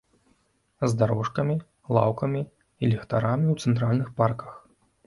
З дарожкамі, лаўкамі і ліхтарамі ў цэнтральных парках.